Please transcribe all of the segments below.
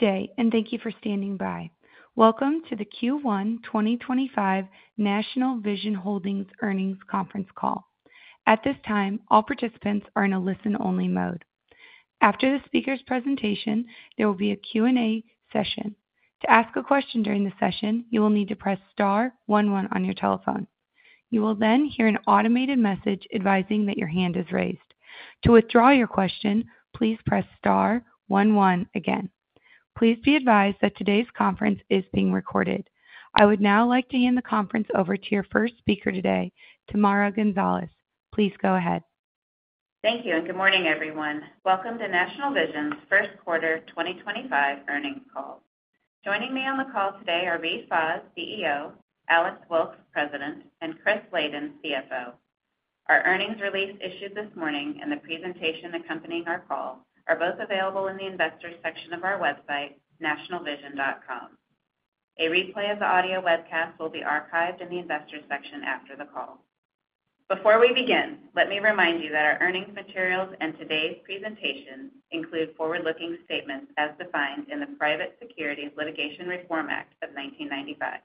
Good day, and thank you for standing by. Welcome to the Q1 2025 National Vision Holdings Earnings Conference Call. At this time, all participants are in a listen-only mode. After the speaker's presentation, there will be a Q&A session. To ask a question during the session, you will need to press *11 on your telephone. You will then hear an automated message advising that your hand is raised. To withdraw your question, please press *11 again. Please be advised that today's conference is being recorded. I would now like to hand the conference over to your first speaker today, Tamara Gonzalez. Please go ahead. Thank you, and good morning, everyone. Welcome to National Vision's first quarter 2025 earnings call. Joining me on the call today are Reade Fahs, CEO; Alex Wilkes, President; and Chris Laden, CFO. Our earnings release issued this morning and the presentation accompanying our call are both available in the investors' section of our website, nationalvision.com. A replay of the audio webcast will be archived in the investors' section after the call. Before we begin, let me remind you that our earnings materials and today's presentation include forward-looking statements as defined in the Private Securities Litigation Reform Act of 1995.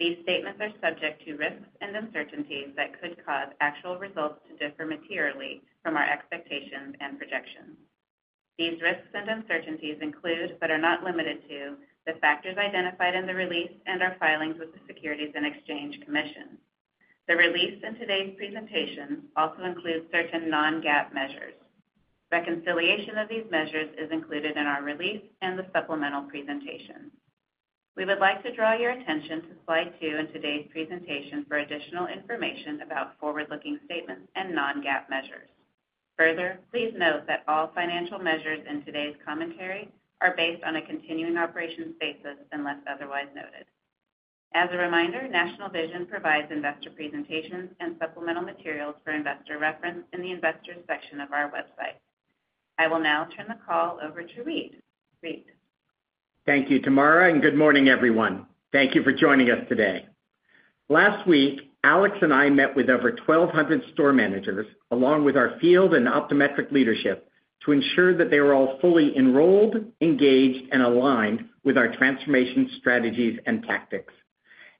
These statements are subject to risks and uncertainties that could cause actual results to differ materially from our expectations and projections. These risks and uncertainties include, but are not limited to, the factors identified in the release and our filings with the Securities and Exchange Commission. The release and today's presentation also include certain non-GAAP measures. Reconciliation of these measures is included in our release and the supplemental presentation. We would like to draw your attention to slide two in today's presentation for additional information about forward-looking statements and non-GAAP measures. Further, please note that all financial measures in today's commentary are based on a continuing operations basis unless otherwise noted. As a reminder, National Vision provides investor presentations and supplemental materials for investor reference in the investors' section of our website. I will now turn the call over to Reade. Reade? Thank you, Tamara, and good morning, everyone. Thank you for joining us today. Last week, Alex and I met with over 1,200 store managers along with our field and optometric leadership to ensure that they were all fully enrolled, engaged, and aligned with our transformation strategies and tactics.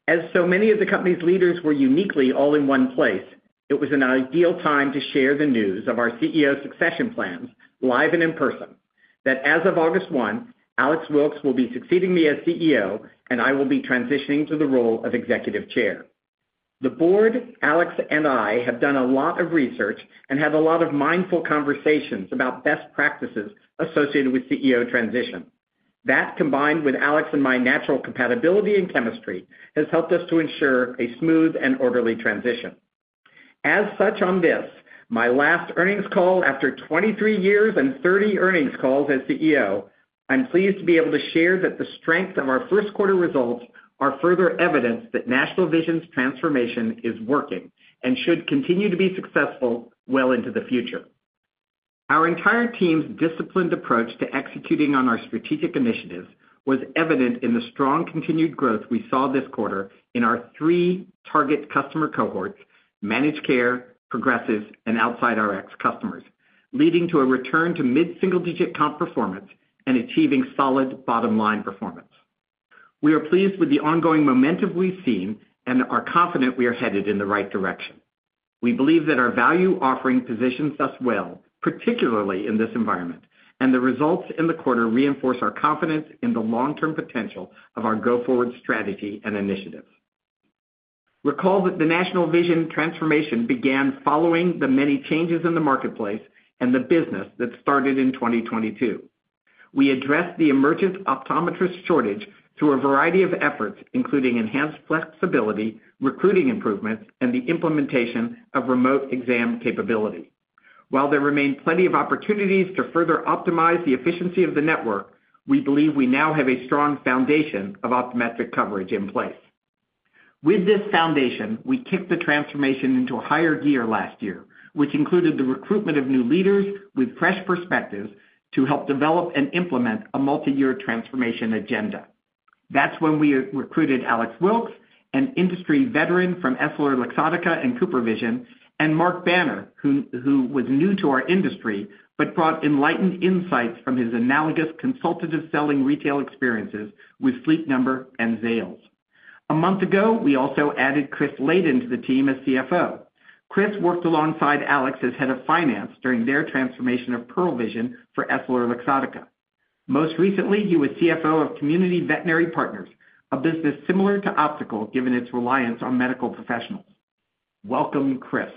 As so many of the company's leaders were uniquely all in one place, it was an ideal time to share the news of our CEO succession plans live and in person that as of August 1, Alex Wilkes will be succeeding me as CEO, and I will be transitioning to the role of Executive Chair. The board, Alex, and I have done a lot of research and had a lot of mindful conversations about best practices associated with CEO transition. That, combined with Alex and my natural compatibility and chemistry, has helped us to ensure a smooth and orderly transition. As such on this, my last earnings call after 23 years and 30 earnings calls as CEO, I'm pleased to be able to share that the strength of our first quarter results are further evidence that National Vision's transformation is working and should continue to be successful well into the future. Our entire team's disciplined approach to executing on our strategic initiatives was evident in the strong continued growth we saw this quarter in our three target customer cohorts: managed care, progressives, and outside RX customers, leading to a return to mid-single-digit comp performance and achieving solid bottom-line performance. We are pleased with the ongoing momentum we've seen and are confident we are headed in the right direction. We believe that our value offering positions us well, particularly in this environment, and the results in the quarter reinforce our confidence in the long-term potential of our go-forward strategy and initiatives. Recall that the National Vision transformation began following the many changes in the marketplace and the business that started in 2022. We addressed the emergent optometrist shortage through a variety of efforts, including enhanced flexibility, recruiting improvements, and the implementation of remote exam capability. While there remain plenty of opportunities to further optimize the efficiency of the network, we believe we now have a strong foundation of optometric coverage in place. With this foundation, we kicked the transformation into a higher gear last year, which included the recruitment of new leaders with fresh perspectives to help develop and implement a multi-year transformation agenda. That is when we recruited Alex Wilkes, an industry veteran from EssilorLuxottica and CooperVision, and Mark Banner, who was new to our industry but brought enlightened insights from his analogous consultative selling retail experiences with Sleep Number and Zales. A month ago, we also added Chris Laden to the team as CFO. Chris worked alongside Alex as head of finance during their transformation of Pearle Vision for EssilorLuxottica. Most recently, he was CFO of Community Veterinary Partners, a business similar to Optical given its reliance on medical professionals. Welcome, Chris.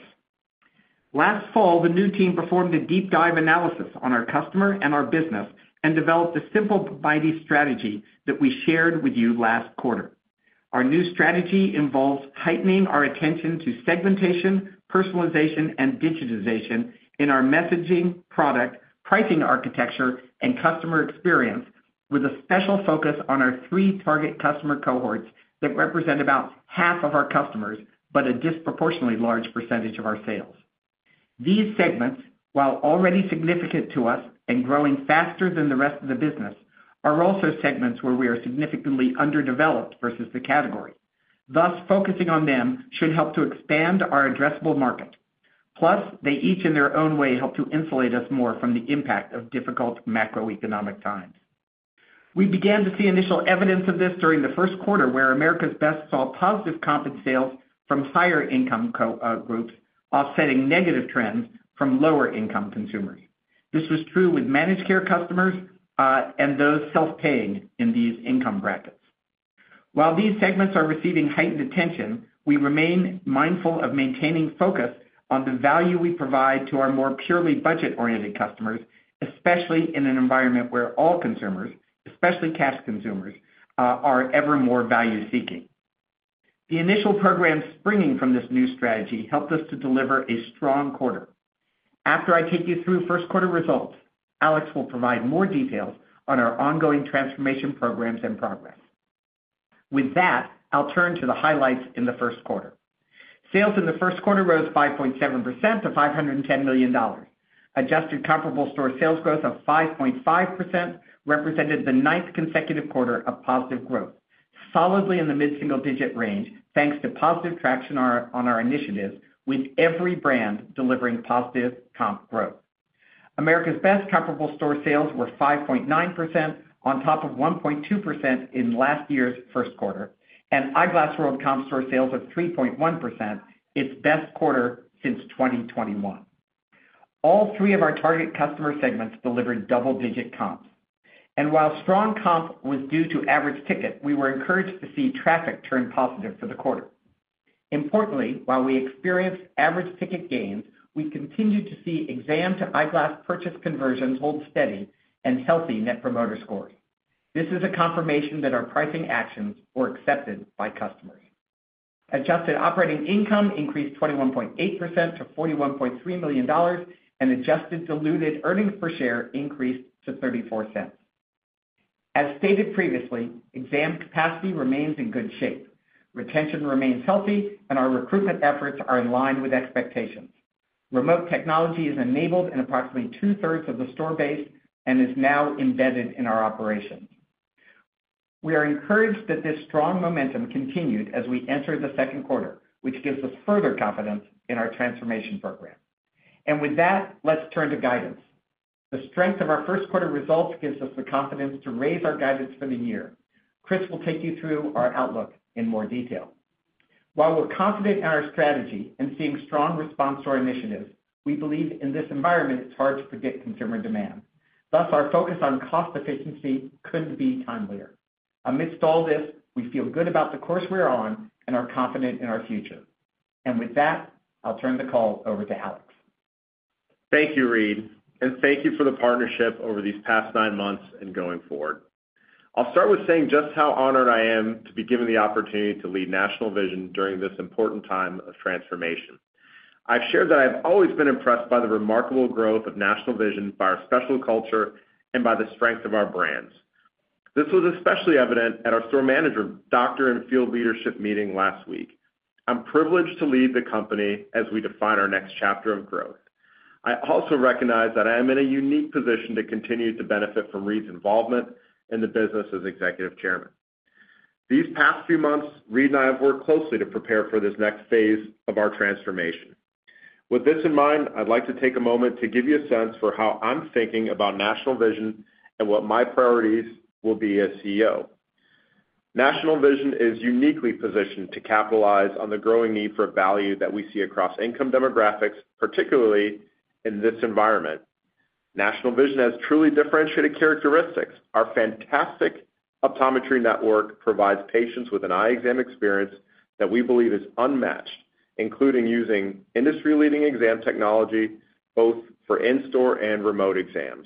Last fall, the new team performed a deep-dive analysis on our customer and our business and developed a simple but mighty strategy that we shared with you last quarter. Our new strategy involves heightening our attention to segmentation, personalization, and digitization in our messaging, product, pricing architecture, and customer experience, with a special focus on our three target customer cohorts that represent about half of our customers but a disproportionately large percentage of our sales. These segments, while already significant to us and growing faster than the rest of the business, are also segments where we are significantly underdeveloped versus the category. Thus, focusing on them should help to expand our addressable market. Plus, they each, in their own way, help to insulate us more from the impact of difficult macroeconomic times. We began to see initial evidence of this during the first quarter, where America's Best saw positive comp and sales from higher-income groups offsetting negative trends from lower-income consumers. This was true with managed care customers and those self-paying in these income brackets. While these segments are receiving heightened attention, we remain mindful of maintaining focus on the value we provide to our more purely budget-oriented customers, especially in an environment where all consumers, especially cash consumers, are ever more value-seeking. The initial programs springing from this new strategy helped us to deliver a strong quarter. After I take you through first quarter results, Alex will provide more details on our ongoing transformation programs and progress. With that, I'll turn to the highlights in the first quarter. Sales in the first quarter rose 5.7% to $510 million. Adjusted comparable store sales growth of 5.5% represented the ninth consecutive quarter of positive growth, solidly in the mid-single-digit range thanks to positive traction on our initiatives, with every brand delivering positive comp growth. America's Best comparable store sales were 5.9% on top of 1.2% in last year's first quarter, and Eyeglass World comp store sales of 3.1%, its best quarter since 2021. All three of our target customer segments delivered double-digit comps. While strong comp was due to average ticket, we were encouraged to see traffic turn positive for the quarter. Importantly, while we experienced average ticket gains, we continued to see exam-to-eye-glass purchase conversions hold steady and healthy Net Promoter Scores. This is a confirmation that our pricing actions were accepted by customers. Adjusted Operating Income increased 21.8% to $41.3 million, and Adjusted Diluted EPS increased to $0.34. As stated previously, exam capacity remains in good shape. Retention remains healthy, and our recruitment efforts are in line with expectations. Remote technology is enabled in approximately two-thirds of the store base and is now embedded in our operations. We are encouraged that this strong momentum continued as we enter the second quarter, which gives us further confidence in our transformation program. Let's turn to guidance. The strength of our first quarter results gives us the confidence to raise our guidance for the year. Chris will take you through our outlook in more detail. While we're confident in our strategy and seeing strong response to our initiatives, we believe in this environment, it's hard to predict consumer demand. Thus, our focus on cost efficiency could not be timelier. Amidst all this, we feel good about the course we're on and are confident in our future. With that, I'll turn the call over to Alex. Thank you, Reade, and thank you for the partnership over these past nine months and going forward. I'll start with saying just how honored I am to be given the opportunity to lead National Vision during this important time of transformation. I've shared that I've always been impressed by the remarkable growth of National Vision, by our special culture, and by the strength of our brands. This was especially evident at our store manager, doctor, and field leadership meeting last week. I'm privileged to lead the company as we define our next chapter of growth. I also recognize that I am in a unique position to continue to benefit from Reade's involvement in the business as Executive Chairman. These past few months, Reade and I have worked closely to prepare for this next phase of our transformation. With this in mind, I'd like to take a moment to give you a sense for how I'm thinking about National Vision and what my priorities will be as CEO. National Vision is uniquely positioned to capitalize on the growing need for value that we see across income demographics, particularly in this environment. National Vision has truly differentiated characteristics. Our fantastic optometry network provides patients with an eye exam experience that we believe is unmatched, including using industry-leading exam technology both for in-store and remote exams.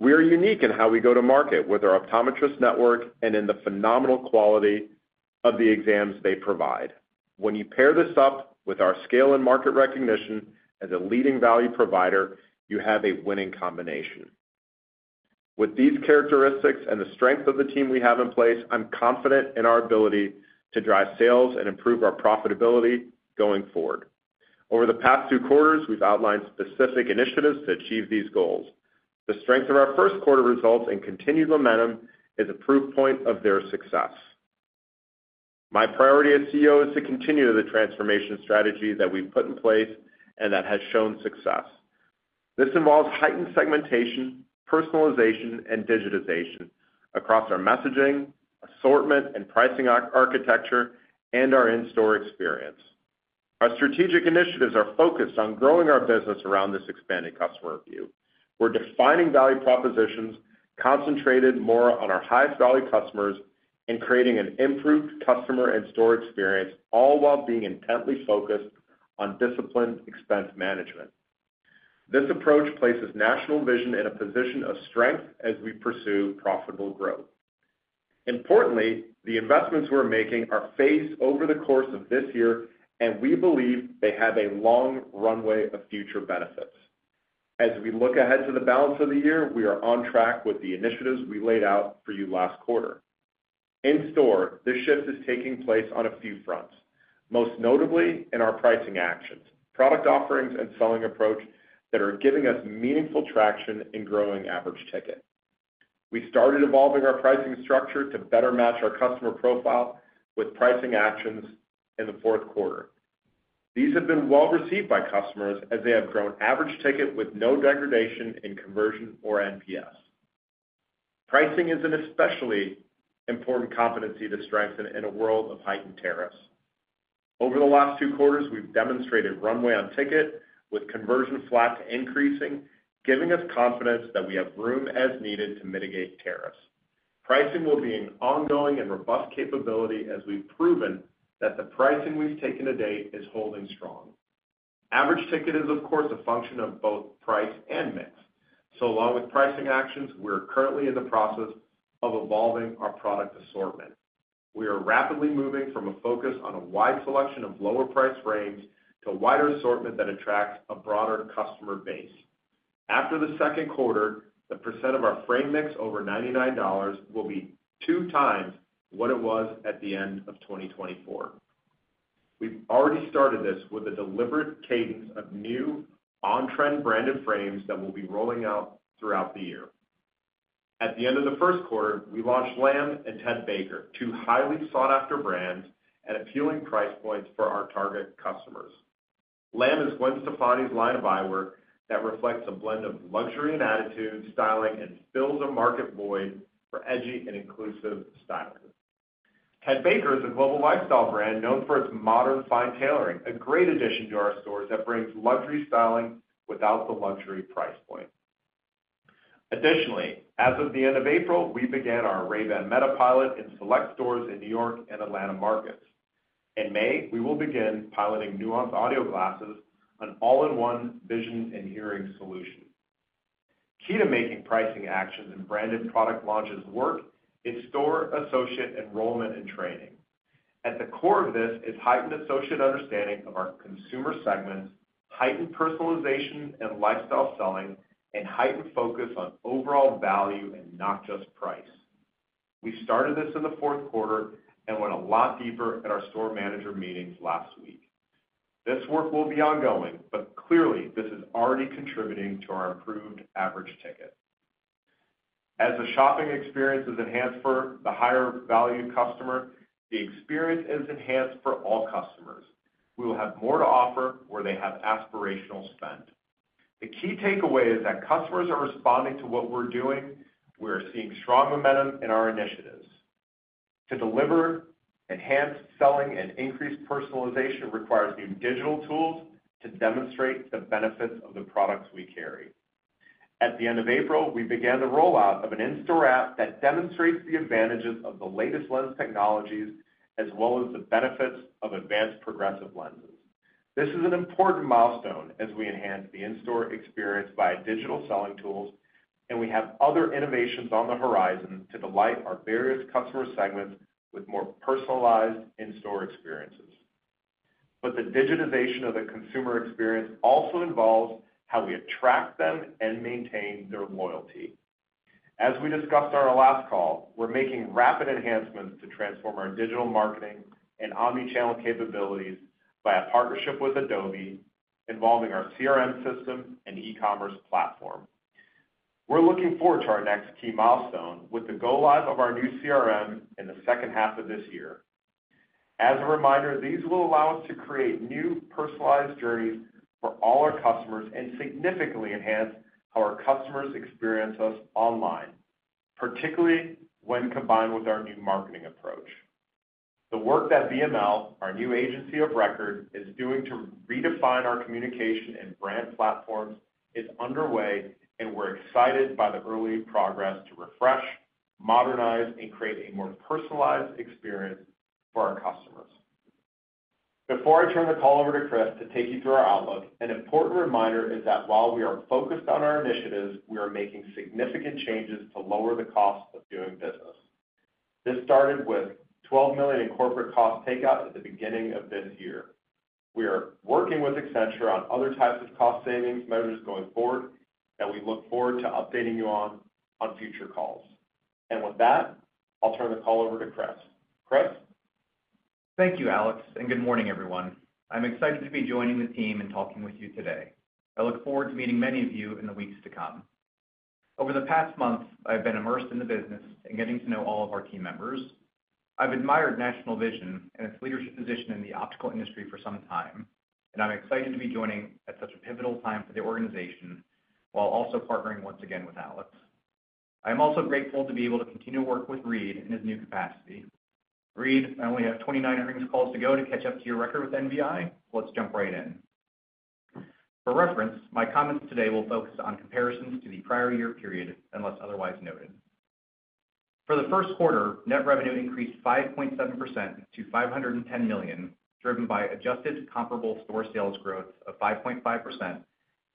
We are unique in how we go to market with our optometrist network and in the phenomenal quality of the exams they provide. When you pair this up with our scale and market recognition as a leading value provider, you have a winning combination. With these characteristics and the strength of the team we have in place, I'm confident in our ability to drive sales and improve our profitability going forward. Over the past two quarters, we've outlined specific initiatives to achieve these goals. The strength of our first quarter results and continued momentum is a proof point of their success. My priority as CEO is to continue the transformation strategy that we've put in place and that has shown success. This involves heightened segmentation, personalization, and digitization across our messaging, assortment, and pricing architecture, and our in-store experience. Our strategic initiatives are focused on growing our business around this expanded customer view. We're defining value propositions concentrated more on our highest value customers and creating an improved customer and store experience, all while being intently focused on disciplined expense management. This approach places National Vision in a position of strength as we pursue profitable growth. Importantly, the investments we're making are phased over the course of this year, and we believe they have a long runway of future benefits. As we look ahead to the balance of the year, we are on track with the initiatives we laid out for you last quarter. In-store, this shift is taking place on a few fronts, most notably in our pricing actions, product offerings, and selling approach that are giving us meaningful traction in growing average ticket. We started evolving our pricing structure to better match our customer profile with pricing actions in the fourth quarter. These have been well received by customers as they have grown average ticket with no degradation in conversion or NPS. Pricing is an especially important competency to strengthen in a world of heightened tariffs. Over the last two quarters, we've demonstrated runway on ticket with conversion flat to increasing, giving us confidence that we have room as needed to mitigate tariffs. Pricing will be an ongoing and robust capability as we've proven that the pricing we've taken to date is holding strong. Average ticket is, of course, a function of both price and mix. Along with pricing actions, we're currently in the process of evolving our product assortment. We are rapidly moving from a focus on a wide selection of lower-priced frames to a wider assortment that attracts a broader customer base. After the second quarter, the percent of our frame mix over $99 will be two times what it was at the end of 2024. We've already started this with a deliberate cadence of new on-trend branded frames that will be rolling out throughout the year. At the end of the first quarter, we launched L.A.M.B. and Ted Baker, two highly sought-after brands at appealing price points for our target customers. L.A.M.B. is Gwen Stefani's line of eyewear that reflects a blend of luxury and attitude, styling, and fills a market void for edgy and inclusive styling. Ted Baker is a global lifestyle brand known for its modern fine tailoring, a great addition to our stores that brings luxury styling without the luxury price point. Additionally, as of the end of April, we began our Ray-Ban Meta pilot in select stores in New York and Atlanta markets. In May, we will begin piloting Nuance Audio Glasses, an all-in-one vision and hearing solution. Key to making pricing actions and branded product launches work is store associate enrollment and training. At the core of this is heightened associate understanding of our consumer segments, heightened personalization and lifestyle selling, and heightened focus on overall value and not just price. We started this in the fourth quarter and went a lot deeper at our store manager meetings last week. This work will be ongoing, but clearly, this is already contributing to our improved average ticket. As the shopping experience is enhanced for the higher-value customer, the experience is enhanced for all customers. We will have more to offer where they have aspirational spend. The key takeaway is that customers are responding to what we're doing. We are seeing strong momentum in our initiatives. To deliver enhanced selling and increased personalization requires new digital tools to demonstrate the benefits of the products we carry. At the end of April, we began the rollout of an in-store app that demonstrates the advantages of the latest lens technologies as well as the benefits of advanced progressive lenses. This is an important milestone as we enhance the in-store experience by digital selling tools, and we have other innovations on the horizon to delight our various customer segments with more personalized in-store experiences. The digitization of the consumer experience also involves how we attract them and maintain their loyalty. As we discussed on our last call, we're making rapid enhancements to transform our digital marketing and omnichannel capabilities by a partnership with Adobe involving our CRM system and e-commerce platform. We're looking forward to our next key milestone with the go-live of our new CRM in the second half of this year. As a reminder, these will allow us to create new personalized journeys for all our customers and significantly enhance how our customers experience us online, particularly when combined with our new marketing approach. The work that VML, our new agency of record, is doing to redefine our communication and brand platforms is underway, and we're excited by the early progress to refresh, modernize, and create a more personalized experience for our customers. Before I turn the call over to Chris to take you through our outlook, an important reminder is that while we are focused on our initiatives, we are making significant changes to lower the cost of doing business. This started with $12 million in corporate cost takeout at the beginning of this year. We are working with Accenture on other types of cost savings measures going forward, and we look forward to updating you on future calls. With that, I'll turn the call over to Chris. Chris? Thank you, Alex, and good morning, everyone. I'm excited to be joining the team and talking with you today. I look forward to meeting many of you in the weeks to come. Over the past month, I've been immersed in the business and getting to know all of our team members. I've admired National Vision and its leadership position in the optical industry for some time, and I'm excited to be joining at such a pivotal time for the organization while also partnering once again with Alex. I am also grateful to be able to continue to work with Reade in his new capacity. Reade, I only have 29 earnings calls to go to catch up to your record with NVI, so let's jump right in. For reference, my comments today will focus on comparisons to the prior year period unless otherwise noted. For the first quarter, net revenue increased 5.7% to $510 million, driven by adjusted comparable store sales growth of 5.5%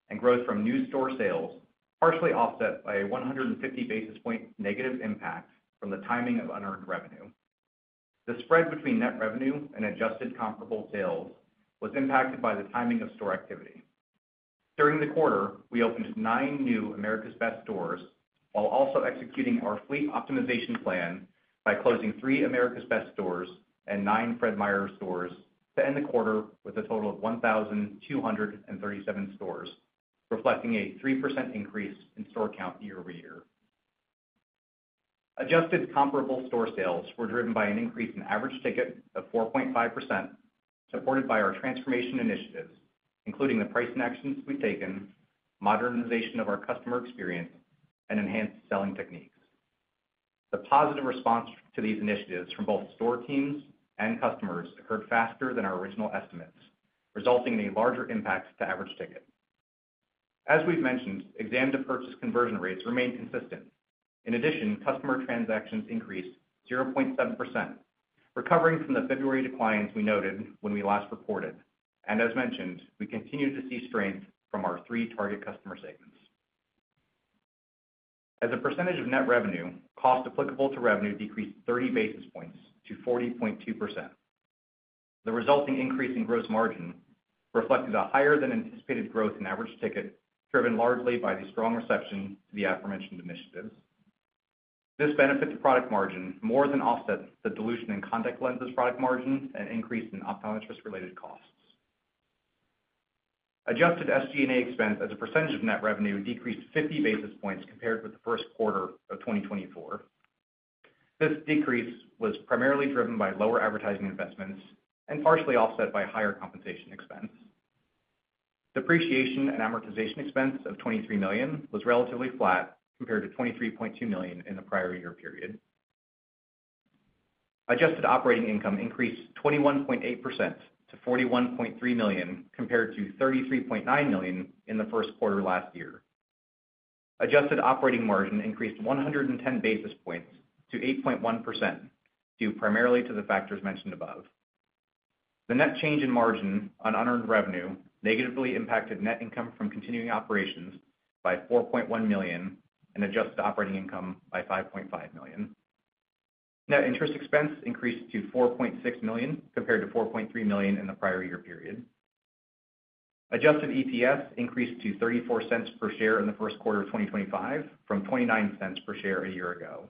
and growth from new store sales, partially offset by a 150 basis point negative impact from the timing of unearned revenue. The spread between net revenue and adjusted comparable sales was impacted by the timing of store activity. During the quarter, we opened nine new America's Best stores while also executing our fleet optimization plan by closing three America's Best stores and nine Fred Meyer stores to end the quarter with a total of 1,237 stores, reflecting a 3% increase in store count year over year. Adjusted comparable store sales were driven by an increase in average ticket of 4.5%, supported by our transformation initiatives, including the price actions we've taken, modernization of our customer experience, and enhanced selling techniques. The positive response to these initiatives from both store teams and customers occurred faster than our original estimates, resulting in a larger impact to average ticket. As we've mentioned, exam to purchase conversion rates remained consistent. In addition, customer transactions increased 0.7%, recovering from the February declines we noted when we last reported. As mentioned, we continue to see strength from our three target customer segments. As a percentage of net revenue, cost applicable to revenue decreased 30 basis points to 40.2%. The resulting increase in gross margin reflected a higher-than-anticipated growth in average ticket, driven largely by the strong reception to the aforementioned initiatives. This benefit to product margin more than offsets the dilution in contact lenses product margin and increase in optometrist-related costs. Adjusted SG&A expense as a percentage of net revenue decreased 50 basis points compared with the first quarter of 2024. This decrease was primarily driven by lower advertising investments and partially offset by higher compensation expense. Depreciation and amortization expense of $23 million was relatively flat compared to $23.2 million in the prior year period. Adjusted operating income increased 21.8% to $41.3 million compared to $33.9 million in the first quarter last year. Adjusted operating margin increased 110 basis points to 8.1% due primarily to the factors mentioned above. The net change in margin on unearned revenue negatively impacted net income from continuing operations by $4.1 million and adjusted operating income by $5.5 million. Net interest expense increased to $4.6 million compared to $4.3 million in the prior year period. Adjusted EPS increased to $0.34 per share in the first quarter of 2025 from $0.29 per share a year ago.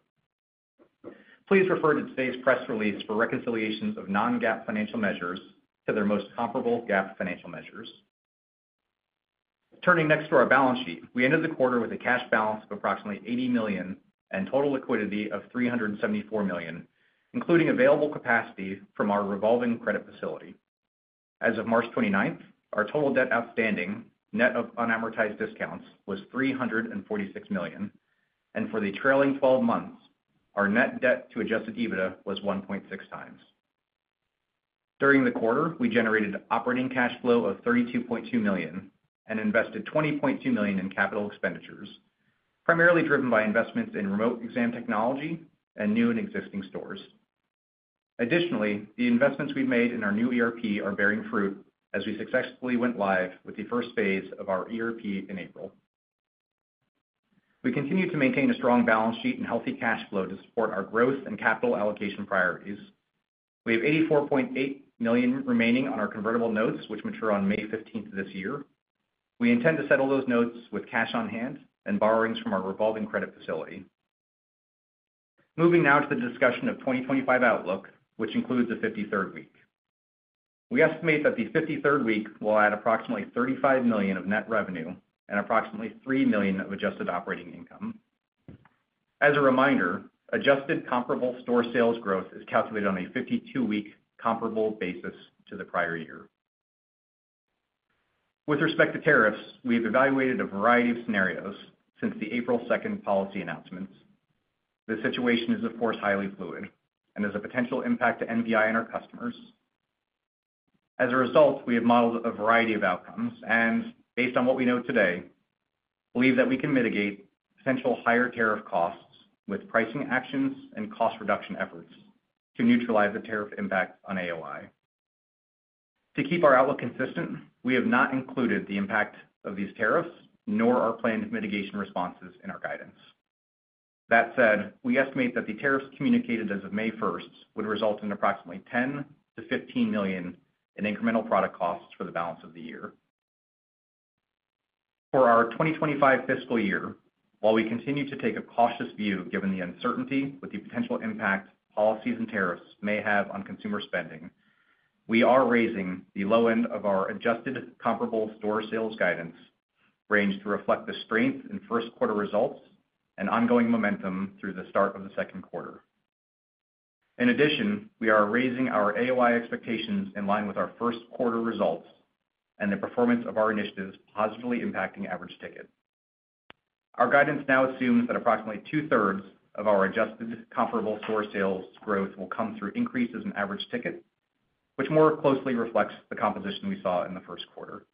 Please refer to today's press release for reconciliations of non-GAAP financial measures to their most comparable GAAP financial measures. Turning next to our balance sheet, we ended the quarter with a cash balance of approximately $80 million and total liquidity of $374 million, including available capacity from our revolving credit facility. As of March 29, our total debt outstanding, net of unamortized discounts, was $346 million. For the trailing 12 months, our net debt to adjusted EBITDA was 1.6 times. During the quarter, we generated operating cash flow of $32.2 million and invested $20.2 million in capital expenditures, primarily driven by investments in remote exam technology and new and existing stores. Additionally, the investments we have made in our new ERP are bearing fruit as we successfully went live with the first phase of our ERP in April. We continue to maintain a strong balance sheet and healthy cash flow to support our growth and capital allocation priorities. We have $84.8 million remaining on our convertible notes, which mature on May 15th this year. We intend to settle those notes with cash on hand and borrowings from our revolving credit facility. Moving now to the discussion of 2025 outlook, which includes the 53rd week. We estimate that the 53rd week will add approximately $35 million of net revenue and approximately $3 million of adjusted operating income. As a reminder, adjusted comparable store sales growth is calculated on a 52-week comparable basis to the prior year. With respect to tariffs, we have evaluated a variety of scenarios since the April 2nd policy announcements. The situation is, of course, highly fluid and has a potential impact to National Vision and our customers. As a result, we have modeled a variety of outcomes and, based on what we know today, believe that we can mitigate potential higher tariff costs with pricing actions and cost reduction efforts to neutralize the tariff impact on AOI. To keep our outlook consistent, we have not included the impact of these tariffs nor our planned mitigation responses in our guidance. That said, we estimate that the tariffs communicated as of May 1 would result in approximately $10 million-$15 million in incremental product costs for the balance of the year. For our 2025 fiscal year, while we continue to take a cautious view given the uncertainty with the potential impact policies and tariffs may have on consumer spending, we are raising the low end of our adjusted comparable store sales guidance range to reflect the strength in first quarter results and ongoing momentum through the start of the second quarter. In addition, we are raising our AOI expectations in line with our first quarter results and the performance of our initiatives positively impacting average ticket. Our guidance now assumes that approximately two-thirds of our adjusted comparable store sales growth will come through increases in average ticket, which more closely reflects the composition we saw in the first quarter.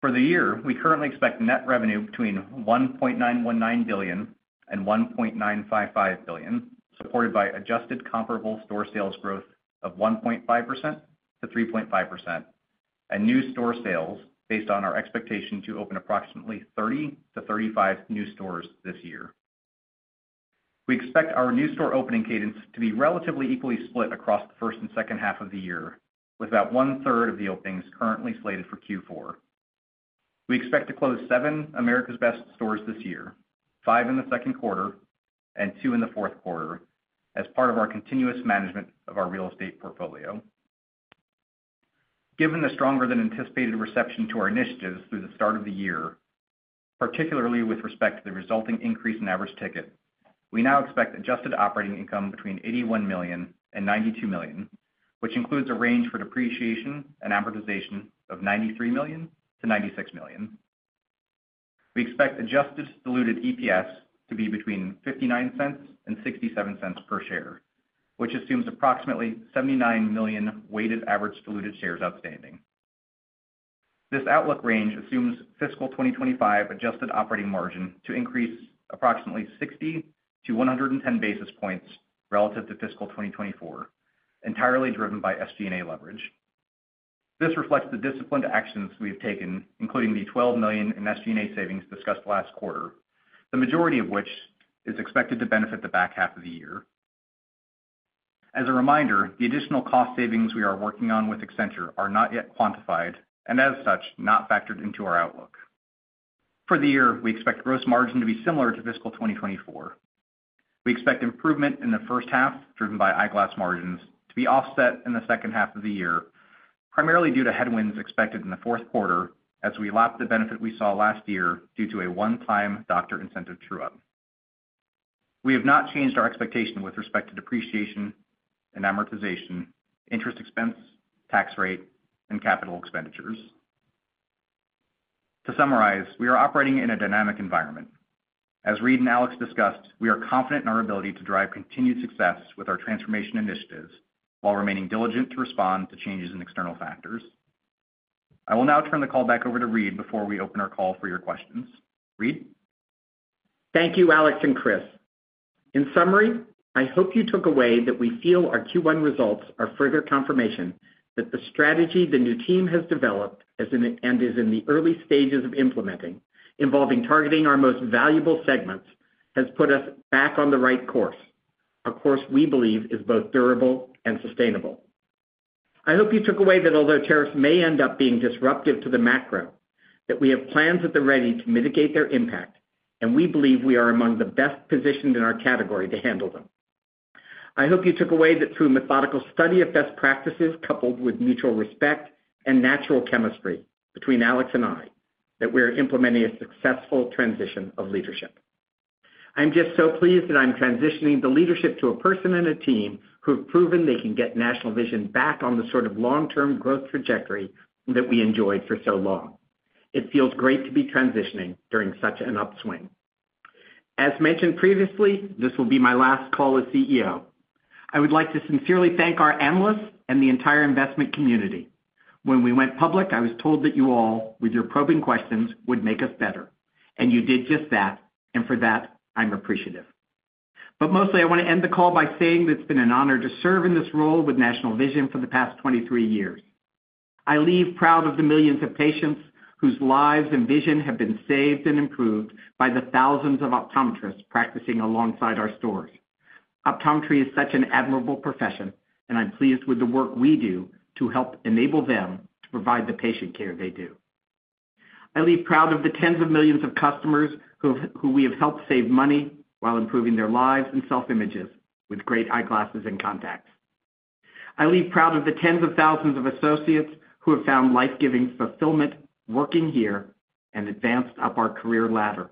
For the year, we currently expect net revenue between $1.919 billion and $1.955 billion, supported by adjusted comparable store sales growth of 1.5%-3.5%, and new store sales based on our expectation to open approximately 30-35 new stores this year. We expect our new store opening cadence to be relatively equally split across the first and second half of the year, with about one-third of the openings currently slated for Q4. We expect to close seven America's Best stores this year, five in the second quarter, and two in the fourth quarter as part of our continuous management of our real estate portfolio. Given the stronger-than-anticipated reception to our initiatives through the start of the year, particularly with respect to the resulting increase in average ticket, we now expect adjusted operating income between $81 million and $92 million, which includes a range for depreciation and amortization of $93 million-$96 million. We expect adjusted diluted EPS to be between $0.59 and $0.67 per share, which assumes approximately 79 million weighted average diluted shares outstanding. This outlook range assumes fiscal 2025 adjusted operating margin to increase approximately 60 to 110 basis points relative to fiscal 2024, entirely driven by SG&A leverage. This reflects the disciplined actions we've taken, including the $12 million in SG&A savings discussed last quarter, the majority of which is expected to benefit the back half of the year. As a reminder, the additional cost savings we are working on with Accenture are not yet quantified and, as such, not factored into our outlook. For the year, we expect gross margin to be similar to fiscal 2024. We expect improvement in the first half, driven by eyeglass margins, to be offset in the second half of the year, primarily due to headwinds expected in the fourth quarter as we lap the benefit we saw last year due to a one-time doctor incentive true-up. We have not changed our expectation with respect to depreciation and amortization, interest expense, tax rate, and capital expenditures. To summarize, we are operating in a dynamic environment. As Reade and Alex discussed, we are confident in our ability to drive continued success with our transformation initiatives while remaining diligent to respond to changes in external factors. I will now turn the call back over to Reade before we open our call for your questions. Reade? Thank you, Alex and Chris. In summary, I hope you took away that we feel our Q1 results are further confirmation that the strategy the new team has developed and is in the early stages of implementing, involving targeting our most valuable segments, has put us back on the right course, a course we believe is both durable and sustainable. I hope you took away that although tariffs may end up being disruptive to the macro, that we have plans at the ready to mitigate their impact, and we believe we are among the best positioned in our category to handle them. I hope you took away that through methodical study of best practices coupled with mutual respect and natural chemistry between Alex and I, that we're implementing a successful transition of leadership. I'm just so pleased that I'm transitioning the leadership to a person and a team who have proven they can get National Vision back on the sort of long-term growth trajectory that we enjoyed for so long. It feels great to be transitioning during such an upswing. As mentioned previously, this will be my last call as CEO. I would like to sincerely thank our analysts and the entire investment community. When we went public, I was told that you all, with your probing questions, would make us better. You did just that, and for that, I'm appreciative. Mostly, I want to end the call by saying that it's been an honor to serve in this role with National Vision for the past 23 years. I leave proud of the millions of patients whose lives and vision have been saved and improved by the thousands of optometrists practicing alongside our stores. Optometry is such an admirable profession, and I'm pleased with the work we do to help enable them to provide the patient care they do. I leave proud of the tens of millions of customers who we have helped save money while improving their lives and self-images with great eyeglasses and contacts. I leave proud of the tens of thousands of associates who have found life-giving fulfillment working here and advanced up our career ladder,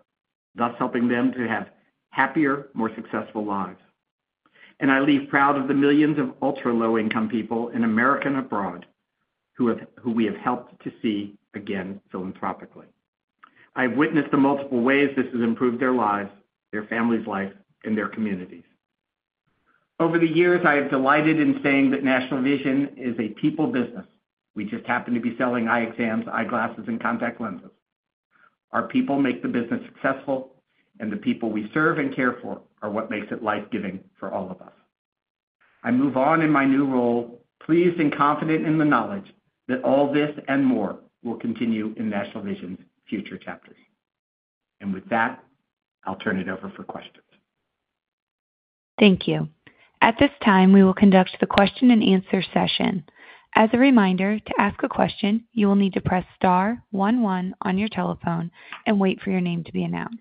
thus helping them to have happier, more successful lives. I leave proud of the millions of ultra-low-income people in America and abroad who we have helped to see again philanthropically. I have witnessed the multiple ways this has improved their lives, their family's life, and their communities. Over the years, I have delighted in saying that National Vision is a people business. We just happen to be selling eye exams, eyeglasses, and contact lenses. Our people make the business successful, and the people we serve and care for are what makes it life-giving for all of us. I move on in my new role, pleased and confident in the knowledge that all this and more will continue in National Vision's future chapters. I will turn it over for questions. Thank you. At this time, we will conduct the question-and-answer session. As a reminder, to ask a question, you will need to press *11 on your telephone and wait for your name to be announced.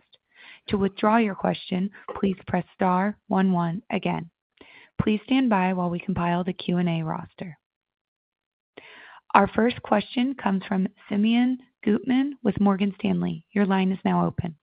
To withdraw your question, please press *11 again. Please stand by while we compile the Q&A roster. Our first question comes from Simeon Gutman with Morgan Stanley. Your line is now open.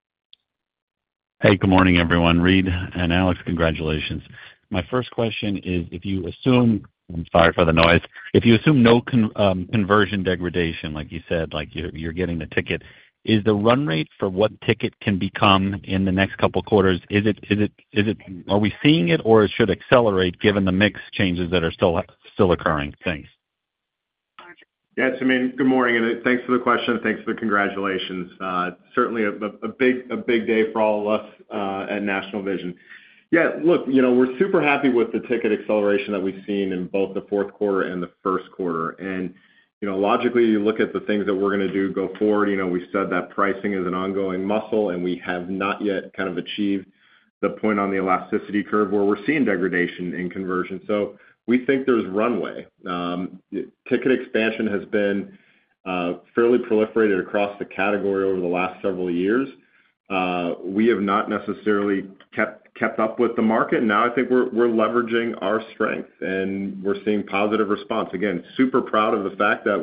Hey, good morning, everyone. Reade and Alex, congratulations. My first question is, if you assume—I'm sorry for the noise—if you assume no conversion degradation, like you said, like you're getting the ticket, is the run rate for what ticket can become in the next couple of quarters? Are we seeing it, or should it accelerate given the mixed changes that are still occurring? Thanks. Yes, Simeon, good morning, and thanks for the question. Thanks for the congratulations. Certainly a big day for all of us at National Vision. Yeah, look, we're super happy with the ticket acceleration that we've seen in both the fourth quarter and the first quarter. Logically, you look at the things that we're going to do go forward. We said that pricing is an ongoing muscle, and we have not yet kind of achieved the point on the elasticity curve where we're seeing degradation in conversion. We think there's runway. Ticket expansion has been fairly proliferated across the category over the last several years. We have not necessarily kept up with the market. Now, I think we're leveraging our strength, and we're seeing positive response. Again, super proud of the fact that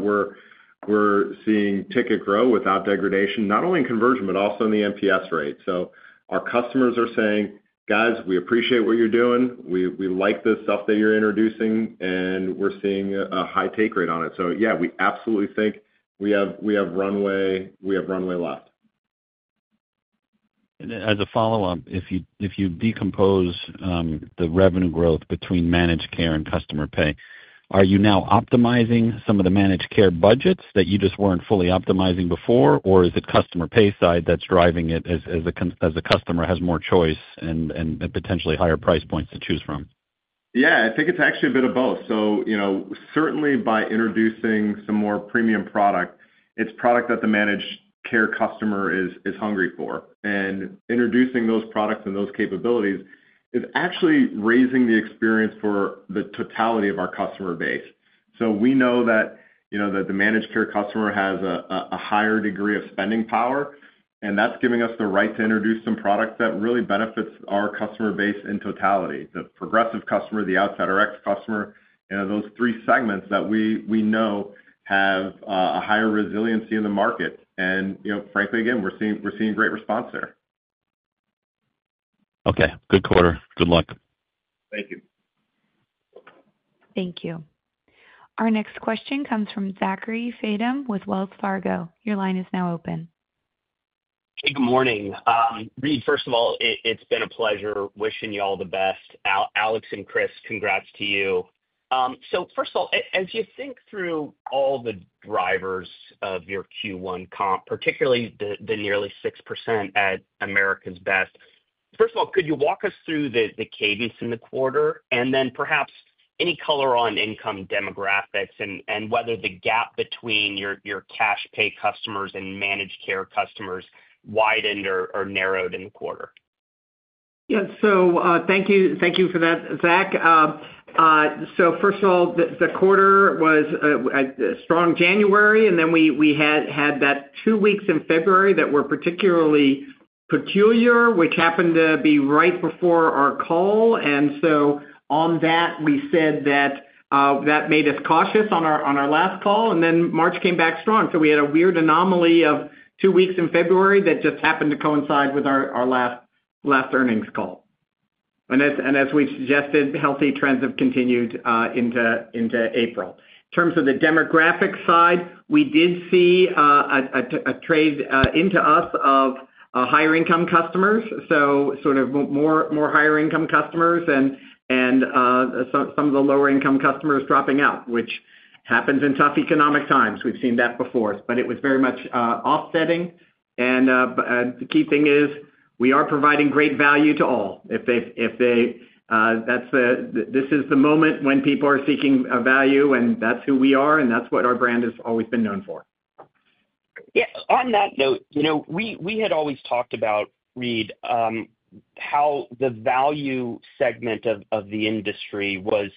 we're seeing ticket grow without degradation, not only in conversion, but also in the NPS rate. Our customers are saying, "Guys, we appreciate what you're doing. We like the stuff that you're introducing, and we're seeing a high take rate on it." Yeah, we absolutely think we have runway left. As a follow-up, if you decompose the revenue growth between managed care and customer pay, are you now optimizing some of the managed care budgets that you just were not fully optimizing before, or is it customer pay side that is driving it as a customer has more choice and potentially higher price points to choose from? Yeah, I think it's actually a bit of both. Certainly, by introducing some more premium product, it's product that the managed care customer is hungry for. Introducing those products and those capabilities is actually raising the experience for the totality of our customer base. We know that the managed care customer has a higher degree of spending power, and that's giving us the right to introduce some product that really benefits our customer base in totality. The progressive customer, the outside RX customer, those three segments that we know have a higher resiliency in the market. Frankly, again, we're seeing great response there. Okay. Good quarter. Good luck. Thank you. Thank you. Our next question comes from Zachary Fadem with Wells Fargo. Your line is now open. Hey, good morning. Reade, first of all, it's been a pleasure wishing you all the best. Alex and Chris, congrats to you. As you think through all the drivers of your Q1 comp, particularly the nearly 6% at America's Best, could you walk us through the cadence in the quarter and then perhaps any color on income demographics and whether the gap between your cash pay customers and managed care customers widened or narrowed in the quarter? Yeah, so thank you for that, Zach. First of all, the quarter was a strong January, and then we had that two weeks in February that were particularly peculiar, which happened to be right before our call. On that, we said that that made us cautious on our last call. March came back strong. We had a weird anomaly of two weeks in February that just happened to coincide with our last earnings call. As we suggested, healthy trends have continued into April. In terms of the demographic side, we did see a trade into us of higher-income customers, so sort of more higher-income customers and some of the lower-income customers dropping out, which happens in tough economic times. We've seen that before, but it was very much offsetting. The key thing is we are providing great value to all. This is the moment when people are seeking value, and that's who we are, and that's what our brand has always been known for. Yeah. On that note, we had always talked about, Reade, how the value segment of the industry was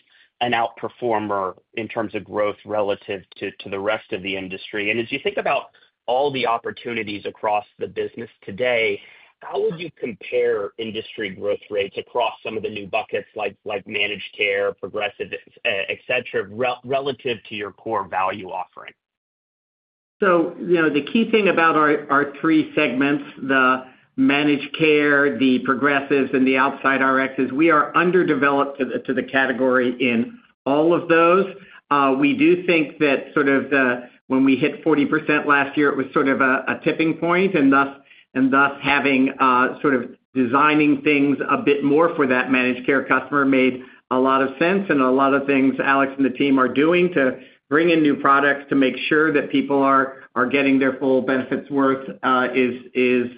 an outperformer in terms of growth relative to the rest of the industry. As you think about all the opportunities across the business today, how would you compare industry growth rates across some of the new buckets like managed care, progressives, etc., relative to your core value offering? The key thing about our three segments, the managed care, the progressives, and the outside RX, is we are underdeveloped to the category in all of those. We do think that sort of when we hit 40% last year, it was sort of a tipping point. Thus, having sort of designing things a bit more for that managed care customer made a lot of sense. A lot of things Alex and the team are doing to bring in new products to make sure that people are getting their full benefits worth is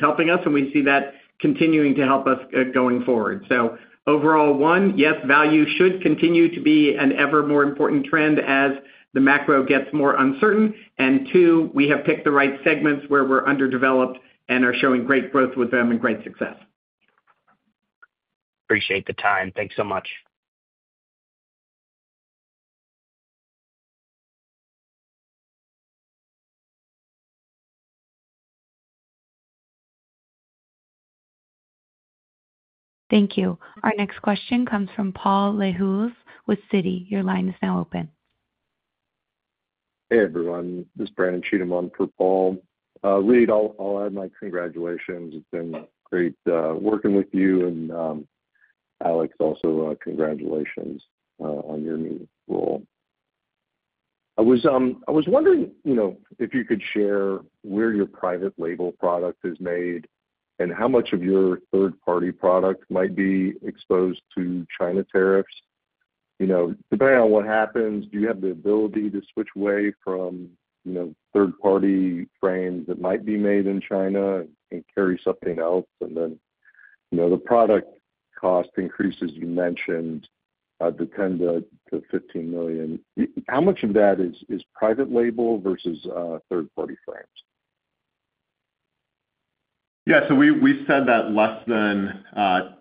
helping us. We see that continuing to help us going forward. Overall, one, yes, value should continue to be an ever more important trend as the macro gets more uncertain. Two, we have picked the right segments where we are underdeveloped and are showing great growth with them and great success. Appreciate the time. Thanks so much. Thank you. Our next question comes from Paul Lejuez with Citi. Your line is now open. Hey, everyone. This is Brandon Cheatha on for Paul. Reade, I'll add my congratulations. It's been great working with you. And Alex, also congratulations on your new role. I was wondering if you could share where your private label product is made and how much of your third-party product might be exposed to China tariffs. Depending on what happens, do you have the ability to switch away from third-party frames that might be made in China and carry something else? And then the product cost increases you mentioned to $10-$15 million. How much of that is private label versus third-party frames? Yeah. We said that less than 10%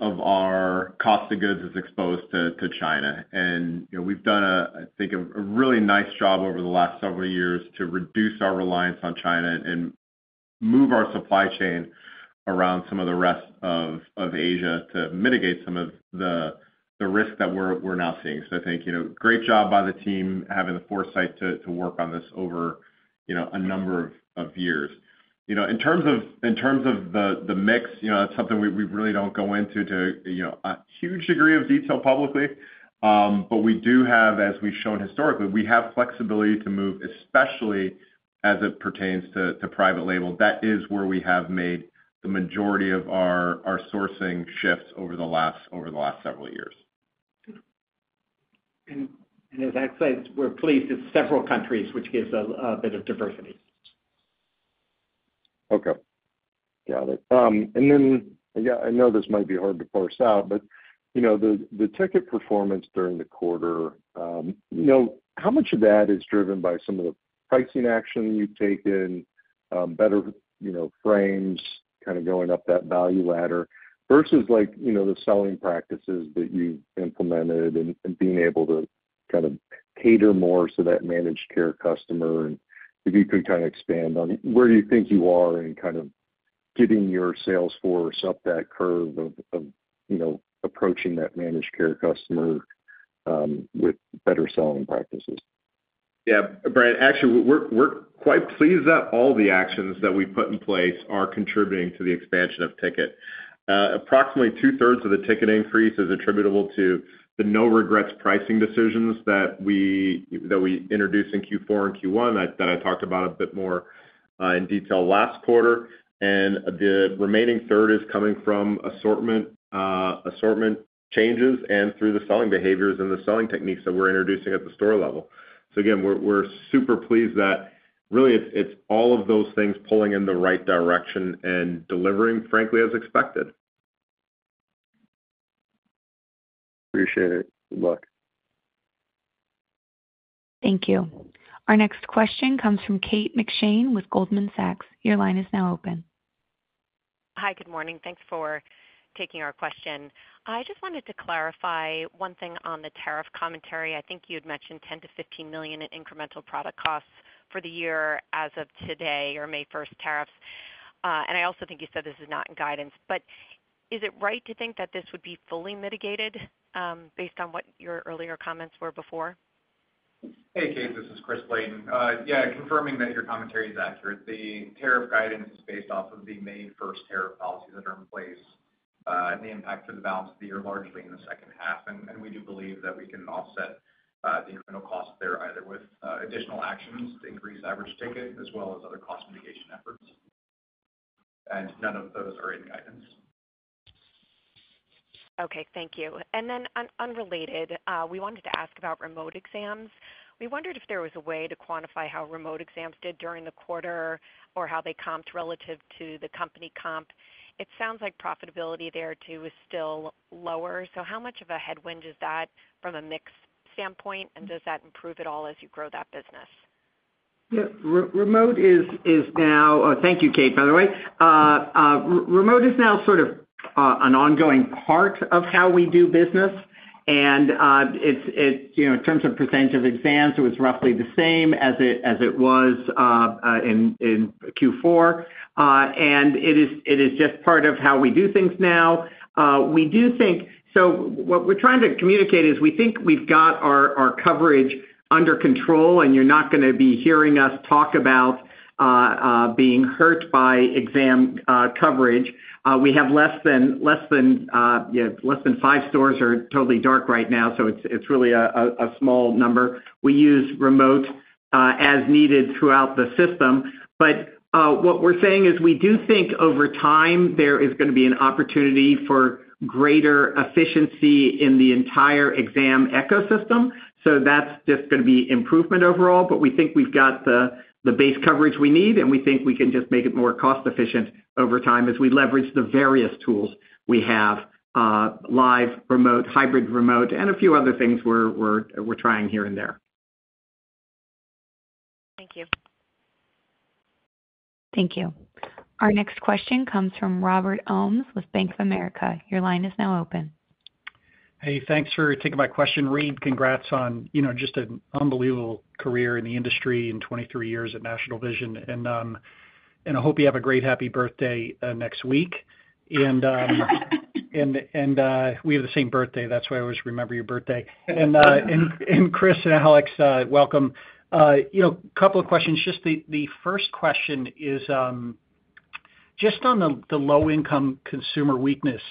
of our cost of goods is exposed to China. We have done, I think, a really nice job over the last several years to reduce our reliance on China and move our supply chain around some of the rest of Asia to mitigate some of the risk that we are now seeing. I think great job by the team having the foresight to work on this over a number of years. In terms of the mix, that is something we really do not go into to a huge degree of detail publicly. We do have, as we have shown historically, flexibility to move, especially as it pertains to private label. That is where we have made the majority of our sourcing shifts over the last several years. As I said, we're placed in several countries, which gives us a bit of diversity. Okay. Got it. Yeah, I know this might be hard to parse out, but the ticket performance during the quarter, how much of that is driven by some of the pricing action you've taken, better frames, kind of going up that value ladder versus the selling practices that you've implemented and being able to kind of cater more to that managed care customer? If you could kind of expand on where do you think you are in kind of getting your sales force up that curve of approaching that managed care customer with better selling practices? Yeah. Brandon, actually, we're quite pleased that all the actions that we put in place are contributing to the expansion of ticket. Approximately two-thirds of the ticket increase is attributable to the no-regrets pricing decisions that we introduced in Q4 and Q1 that I talked about a bit more in detail last quarter. The remaining third is coming from assortment changes and through the selling behaviors and the selling techniques that we're introducing at the store level. Again, we're super pleased that really it's all of those things pulling in the right direction and delivering, frankly, as expected. Appreciate it. Good luck. Thank you. Our next question comes from Kate McShane with Goldman Sachs. Your line is now open. Hi, good morning. Thanks for taking our question. I just wanted to clarify one thing on the tariff commentary. I think you had mentioned $10-$15 million in incremental product costs for the year as of today or May 1 tariffs. I also think you said this is not guidance. Is it right to think that this would be fully mitigated based on what your earlier comments were before? Hey, Kate. This is Chris Laden. Yeah, confirming that your commentary is accurate. The tariff guidance is based off of the May 1 tariff policies that are in place and the impact for the balance of the year largely in the second half. We do believe that we can offset the incremental costs there either with additional actions to increase average ticket as well as other cost mitigation efforts. None of those are in guidance. Okay. Thank you. Then unrelated, we wanted to ask about remote exams. We wondered if there was a way to quantify how remote exams did during the quarter or how they comped relative to the company comp. It sounds like profitability there too is still lower. How much of a headwind is that from a mix standpoint, and does that improve at all as you grow that business? Yeah. Remote is now—thank you, Kate, by the way—remote is now sort of an ongoing part of how we do business. In terms of percentage of exams, it was roughly the same as it was in Q4. It is just part of how we do things now. What we are trying to communicate is we think we have got our coverage under control, and you are not going to be hearing us talk about being hurt by exam coverage. We have less than five stores that are totally dark right now, so it is really a small number. We use remote as needed throughout the system. What we are saying is we do think over time there is going to be an opportunity for greater efficiency in the entire exam ecosystem. That is just going to be improvement overall. We think we've got the base coverage we need, and we think we can just make it more cost-efficient over time as we leverage the various tools we have: live, remote, hybrid remote, and a few other things we're trying here and there. Thank you. Thank you. Our next question comes from Robert Ohmes with Bank of America. Your line is now open. Hey, thanks for taking my question. Reade, congrats on just an unbelievable career in the industry in 23 years at National Vision. I hope you have a great, happy birthday next week. We have the same birthday. That's why I always remember your birthday. Chris and Alex, welcome. A couple of questions. The first question is just on the low-income consumer weakness.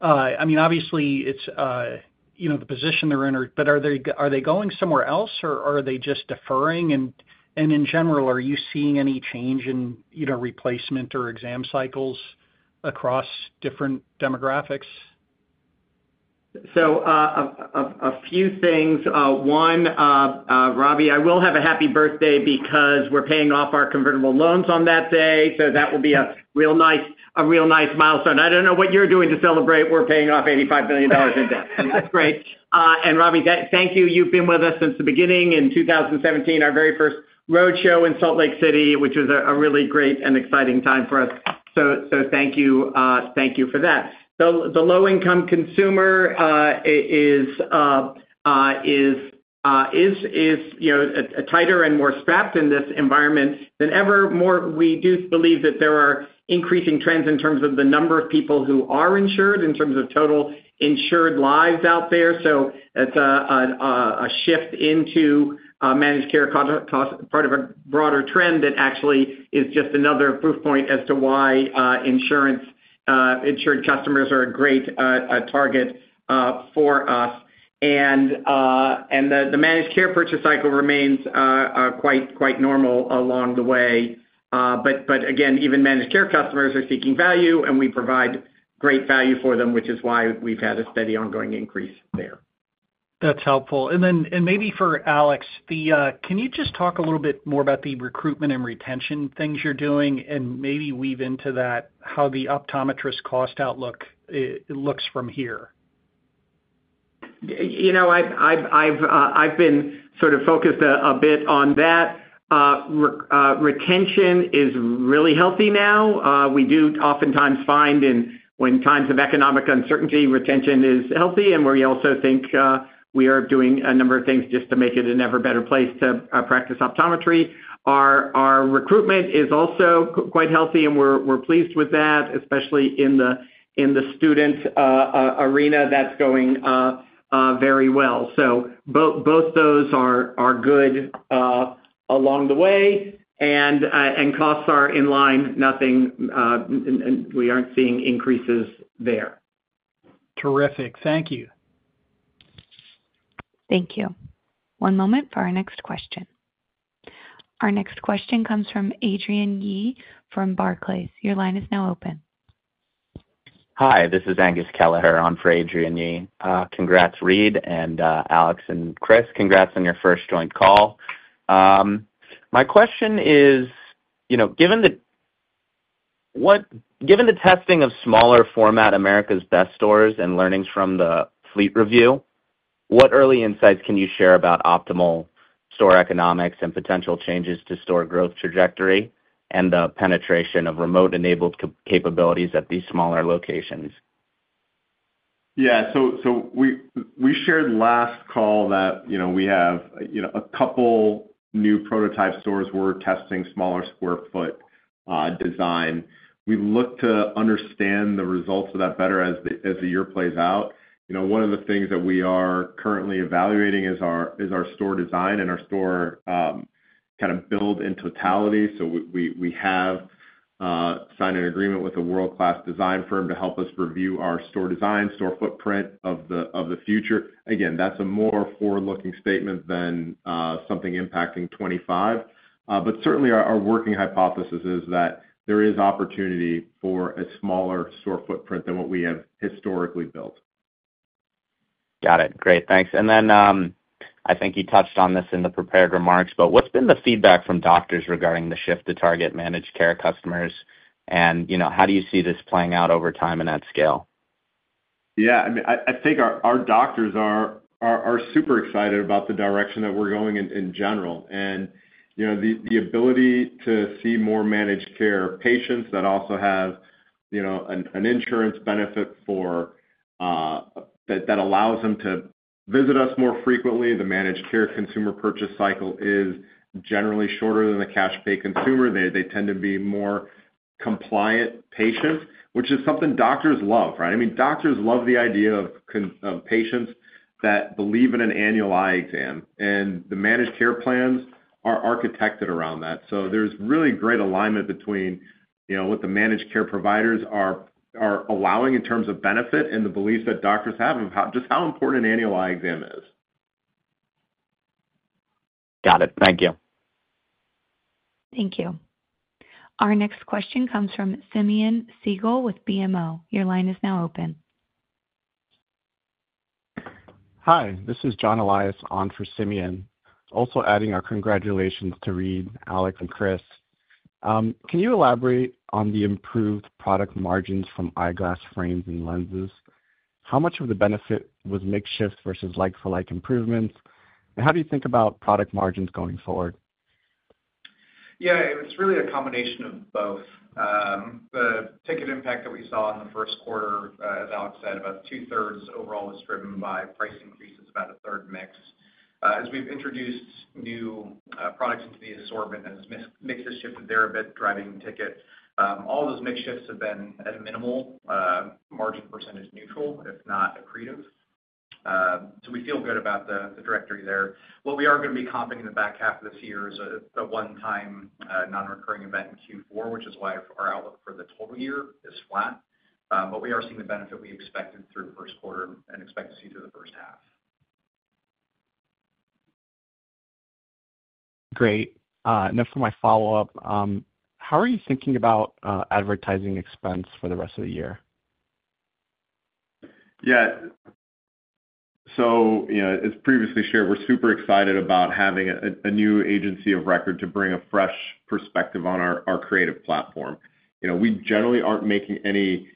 I mean, obviously, it's the position they're in, but are they going somewhere else, or are they just deferring? In general, are you seeing any change in replacement or exam cycles across different demographics? A few things. One, Robbie, I will have a happy birthday because we're paying off our convertible loans on that day. That will be a real nice milestone. I don't know what you're doing to celebrate we're paying off $85 million in debt. That's great. Robbie, thank you. You've been with us since the beginning in 2017, our very first roadshow in Salt Lake City, which was a really great and exciting time for us. Thank you for that. The low-income consumer is tighter and more strapped in this environment than ever. We do believe that there are increasing trends in terms of the number of people who are insured in terms of total insured lives out there. It is a shift into managed care, part of a broader trend that actually is just another proof point as to why insured customers are a great target for us. The managed care purchase cycle remains quite normal along the way. Again, even managed care customers are seeking value, and we provide great value for them, which is why we've had a steady ongoing increase there. That's helpful. Maybe for Alex, can you just talk a little bit more about the recruitment and retention things you're doing and maybe weave into that how the optometrist cost outlook looks from here? I've been sort of focused a bit on that. Retention is really healthy now. We do oftentimes find when times of economic uncertainty, retention is healthy. We also think we are doing a number of things just to make it an ever better place to practice optometry. Our recruitment is also quite healthy, and we're pleased with that, especially in the student arena. That's going very well. Both those are good along the way. Costs are in line. We aren't seeing increases there. Terrific. Thank you. Thank you. One moment for our next question. Our next question comes from Adrienne Yih-Tennant from Barclays. Your line is now open. Hi. This is Angus Kelleher on for Adrienne Yih-Tennant. Congrats, Reade, and Alex, and Chris. Congrats on your first joint call. My question is, given the testing of smaller format America's Best stores and learnings from the fleet review, what early insights can you share about optimal store economics and potential changes to store growth trajectory and the penetration of remote-enabled capabilities at these smaller locations? Yeah. We shared last call that we have a couple new prototype stores we're testing, smaller square foot design. We look to understand the results of that better as the year plays out. One of the things that we are currently evaluating is our store design and our store kind of build in totality. We have signed an agreement with a world-class design firm to help us review our store design, store footprint of the future. Again, that's a more forward-looking statement than something impacting 2025. Certainly, our working hypothesis is that there is opportunity for a smaller store footprint than what we have historically built. Got it. Great. Thanks. I think you touched on this in the prepared remarks, but what's been the feedback from doctors regarding the shift to target managed care customers? How do you see this playing out over time and at scale? Yeah. I mean, I think our doctors are super excited about the direction that we're going in general. The ability to see more managed care patients that also have an insurance benefit that allows them to visit us more frequently, the managed care consumer purchase cycle is generally shorter than the cash-pay consumer. They tend to be more compliant patients, which is something doctors love, right? I mean, doctors love the idea of patients that believe in an annual eye exam. The managed care plans are architected around that. There is really great alignment between what the managed care providers are allowing in terms of benefit and the belief that doctors have of just how important an annual eye exam is. Got it. Thank you. Thank you. Our next question comes from Simeon Siegel with BMO. Your line is now open. Hi. This is John Elias on for Simeon. Also adding our congratulations to Reade, Alex, and Chris. Can you elaborate on the improved product margins from eyeglass frames and lenses? How much of the benefit was makeshift versus like-for-like improvements? How do you think about product margins going forward? Yeah. It was really a combination of both. The ticket impact that we saw in the first quarter, as Alex said, about two-thirds overall was driven by price increases, about a third mix. As we've introduced new products into the assortment, as mix has shifted there a bit, driving ticket, all those mix shifts have been at a minimal margin percentage neutral, if not accretive. So we feel good about the directory there. What we are going to be comping in the back half of this year is a one-time non-recurring event in Q4, which is why our outlook for the total year is flat. We are seeing the benefit we expected through the first quarter and expect to see through the first half. Great. For my follow-up, how are you thinking about advertising expense for the rest of the year? Yeah. As previously shared, we're super excited about having a new agency of record to bring a fresh perspective on our creative platform. We generally aren't making any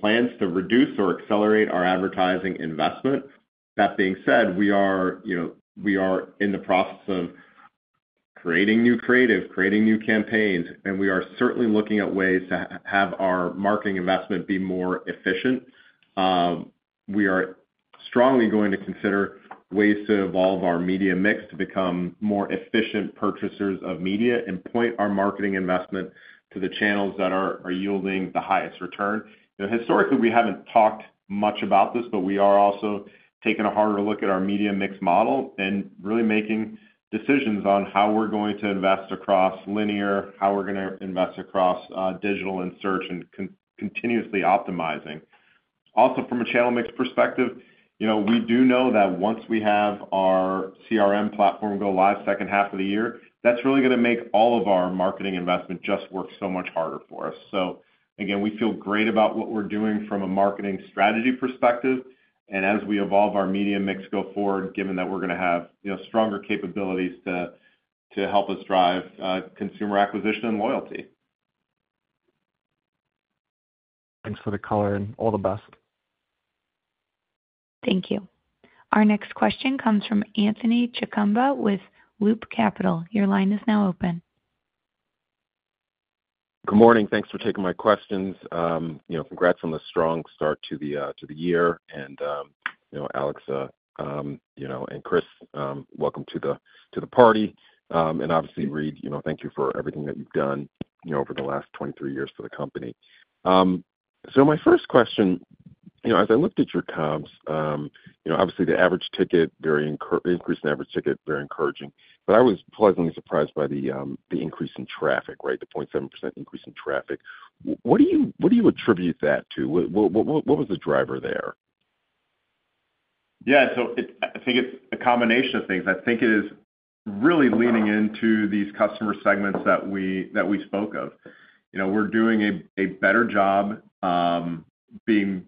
plans to reduce or accelerate our advertising investment. That being said, we are in the process of creating new creative, creating new campaigns. We are certainly looking at ways to have our marketing investment be more efficient. We are strongly going to consider ways to evolve our media mix to become more efficient purchasers of media and point our marketing investment to the channels that are yielding the highest return. Historically, we haven't talked much about this, but we are also taking a harder look at our media mix model and really making decisions on how we're going to invest across linear, how we're going to invest across digital and search, and continuously optimizing. Also, from a channel mix perspective, we do know that once we have our CRM platform go live second half of the year, that is really going to make all of our marketing investment just work so much harder for us. Again, we feel great about what we are doing from a marketing strategy perspective. As we evolve our media mix go forward, given that we are going to have stronger capabilities to help us drive consumer acquisition and loyalty. Thanks for the color and all the best. Thank you. Our next question comes from Anthony Chukumba with Loop Capital. Your line is now open. Good morning. Thanks for taking my questions. Congrats on the strong start to the year. Alex and Chris, welcome to the party. Obviously, Reade, thank you for everything that you've done over the last 23 years for the company. My first question, as I looked at your comps, obviously, the average ticket increase in average ticket is very encouraging. I was pleasantly surprised by the increase in traffic, right? The 0.7% increase in traffic. What do you attribute that to? What was the driver there? Yeah. I think it's a combination of things. I think it is really leaning into these customer segments that we spoke of. We're doing a better job being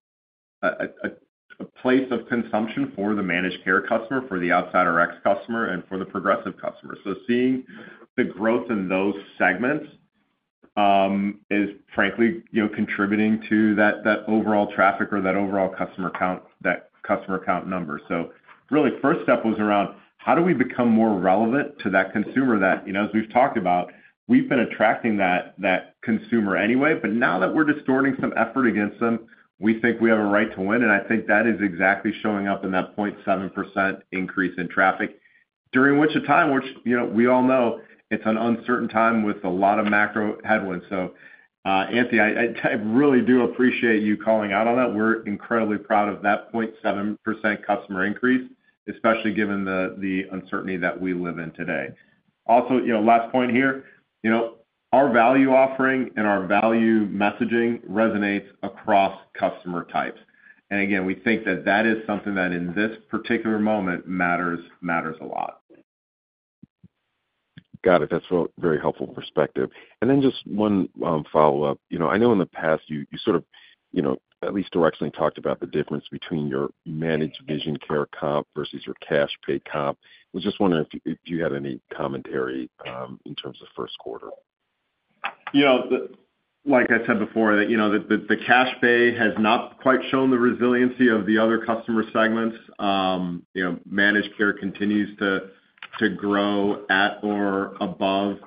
a place of consumption for the managed care customer, for the outside RX customer, and for the progressive customer. Seeing the growth in those segments is, frankly, contributing to that overall traffic or that overall customer count number. Really, the first step was around how do we become more relevant to that consumer that, as we've talked about, we've been attracting that consumer anyway. Now that we're distorting some effort against them, we think we have a right to win. I think that is exactly showing up in that 0.7% increase in traffic, during which time, which we all know it's an uncertain time with a lot of macro headwinds. Anthony, I really do appreciate you calling out on that. We're incredibly proud of that 0.7% customer increase, especially given the uncertainty that we live in today. Also, last point here, our value offering and our value messaging resonates across customer types. Again, we think that that is something that in this particular moment matters a lot. Got it. That is a very helpful perspective. Then just one follow-up. I know in the past, you sort of at least directionally talked about the difference between your managed vision care comp versus your cash-pay comp. I was just wondering if you had any commentary in terms of first quarter. Like I said before, the cash-pay has not quite shown the resiliency of the other customer segments. Managed care continues to grow at or above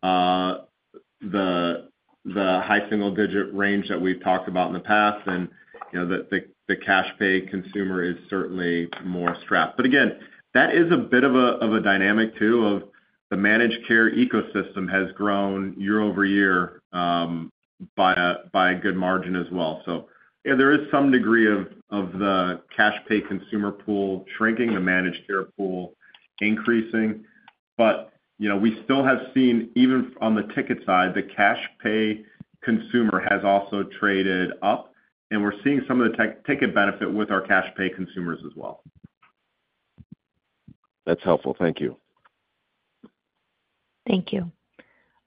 the high single-digit range that we've talked about in the past. The cash-pay consumer is certainly more strapped. Again, that is a bit of a dynamic too of the managed care ecosystem has grown year over year by a good margin as well. There is some degree of the cash-pay consumer pool shrinking, the managed care pool increasing. We still have seen, even on the ticket side, the cash-pay consumer has also traded up. We're seeing some of the ticket benefit with our cash-pay consumers as well. That's helpful. Thank you. Thank you.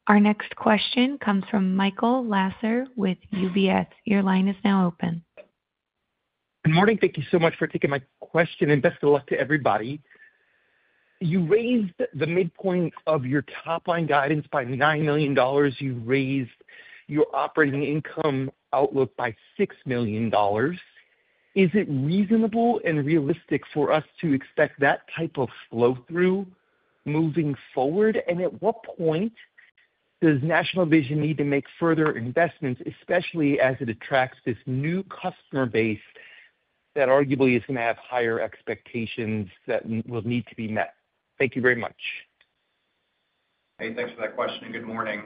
Our next question comes from Michael Lasser with UBS. Your line is now open. Good morning. Thank you so much for taking my question. Best of luck to everybody. You raised the midpoint of your top-line guidance by $9 million. You raised your operating income outlook by $6 million. Is it reasonable and realistic for us to expect that type of flow-through moving forward? At what point does National Vision need to make further investments, especially as it attracts this new customer base that arguably is going to have higher expectations that will need to be met? Thank you very much. Hey, thanks for that question. Good morning.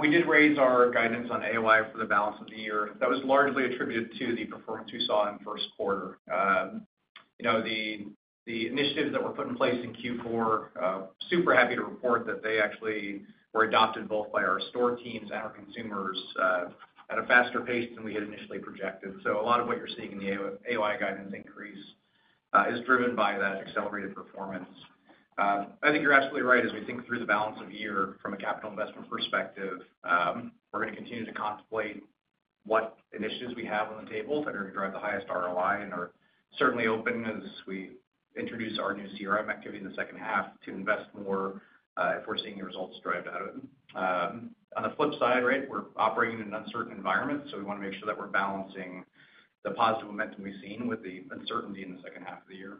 We did raise our guidance on AOI for the balance of the year. That was largely attributed to the performance we saw in first quarter. The initiatives that were put in place in Q4, super happy to report that they actually were adopted both by our store teams and our consumers at a faster pace than we had initially projected. A lot of what you're seeing in the AOI guidance increase is driven by that accelerated performance. I think you're absolutely right. As we think through the balance of the year from a capital investment perspective, we're going to continue to contemplate what initiatives we have on the table that are going to drive the highest ROI and are certainly open as we introduce our new CRM activity in the second half to invest more if we're seeing the results derived out of it. On the flip side, right, we're operating in an uncertain environment. We want to make sure that we're balancing the positive momentum we've seen with the uncertainty in the second half of the year.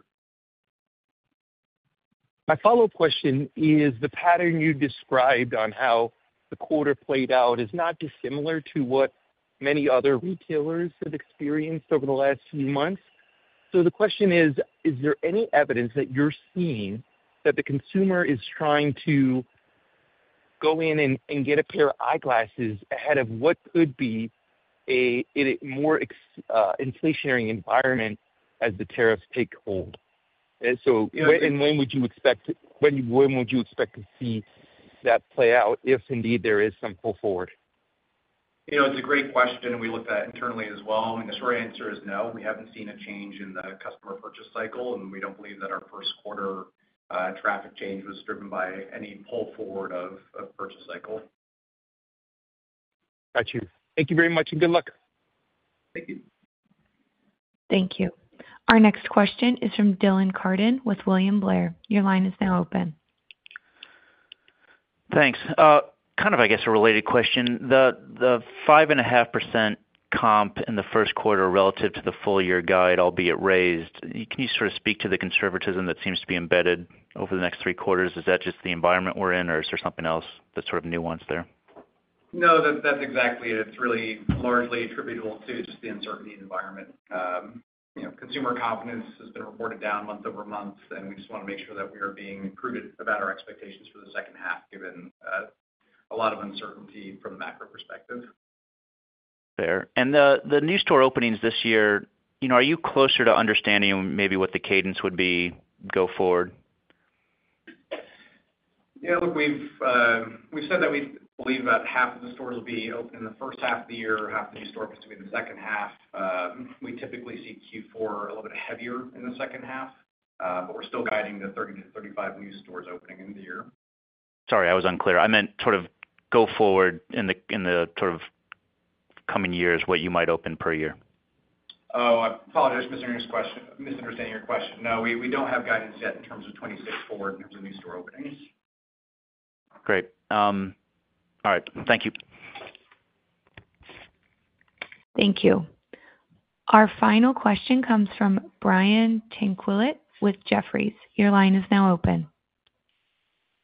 My follow-up question is the pattern you described on how the quarter played out is not dissimilar to what many other retailers have experienced over the last few months. The question is, is there any evidence that you're seeing that the consumer is trying to go in and get a pair of eyeglasses ahead of what could be a more inflationary environment as the tariffs take hold? When would you expect to see that play out if indeed there is some pull forward? It's a great question. We looked at it internally as well. The short answer is no. We haven't seen a change in the customer purchase cycle. We don't believe that our first quarter traffic change was driven by any pull forward of purchase cycle. Got you. Thank you very much and good luck. Thank you. Thank you. Our next question is from Dylan Carden with William Blair. Your line is now open. Thanks. Kind of, I guess, a related question. The 5.5% comp in the first quarter relative to the full-year guide, albeit raised, can you sort of speak to the conservatism that seems to be embedded over the next three quarters? Is that just the environment we're in, or is there something else that sort of nuance there? No, that's exactly it. It's really largely attributable to just the uncertainty environment. Consumer confidence has been reported down month-over-month. We just want to make sure that we are being prudent about our expectations for the second half, given a lot of uncertainty from a macro perspective. Fair. The new store openings this year, are you closer to understanding maybe what the cadence would be going forward? Yeah. Look, we've said that we believe that half of the stores will be open in the first half of the year, half of the new stores between the second half. We typically see Q4 a little bit heavier in the second half. We are still guiding the 30-35 new stores opening in the year. Sorry, I was unclear. I meant sort of go forward in the sort of coming years, what you might open per year. Oh, I apologize for misunderstanding your question. No, we do not have guidance yet in terms of 2026 forward in terms of new store openings. Great. All right. Thank you. Thank you. Our final question comes from Brian Tanquilut with Jefferies. Your line is now open.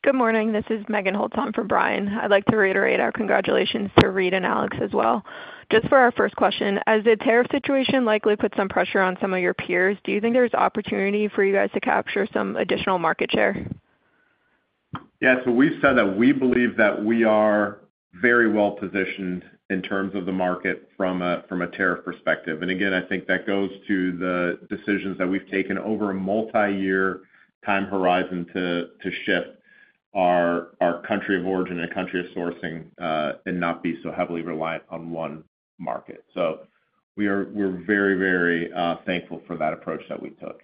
Good morning. This is Megan Holton for Brian. I'd like to reiterate our congratulations to Reade and Alex as well. Just for our first question, as the tariff situation likely puts some pressure on some of your peers, do you think there's opportunity for you guys to capture some additional market share? Yeah. We have said that we believe that we are very well positioned in terms of the market from a tariff perspective. Again, I think that goes to the decisions that we have taken over a multi-year time horizon to shift our country of origin and country of sourcing and not be so heavily reliant on one market. We are very, very thankful for that approach that we took.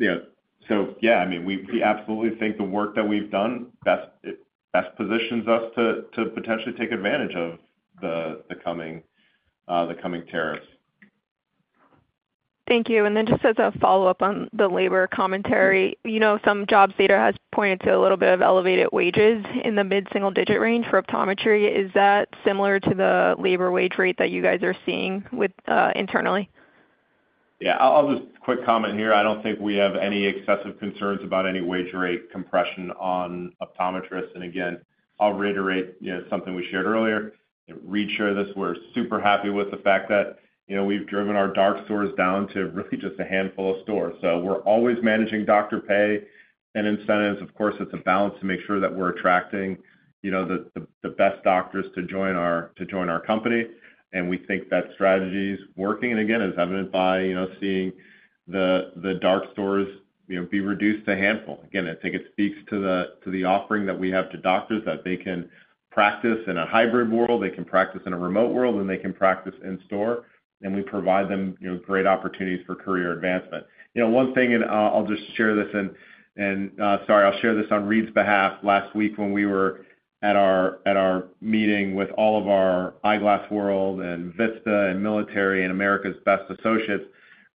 Yeah, I mean, we absolutely think the work that we have done best positions us to potentially take advantage of the coming tariffs. Thank you. Just as a follow-up on the labor commentary, some jobs data has pointed to a little bit of elevated wages in the mid-single-digit range for optometry. Is that similar to the labor wage rate that you guys are seeing internally? Yeah. I'll just quick comment here. I don't think we have any excessive concerns about any wage rate compression on optometrists. Again, I'll reiterate something we shared earlier. Reade shared this. We're super happy with the fact that we've driven our dark stores down to really just a handful of stores. We're always managing doctor pay and incentives. Of course, it's a balance to make sure that we're attracting the best doctors to join our company. We think that strategy is working. Again, as evidenced by seeing the dark stores be reduced to a handful. I think it speaks to the offering that we have to doctors that they can practice in a hybrid world. They can practice in a remote world, and they can practice in store. We provide them great opportunities for career advancement. One thing, and I'll just share this, and sorry, I'll share this on Reade's behalf. Last week, when we were at our meeting with all of our Eyeglass World and Vista and Military and America's Best associates,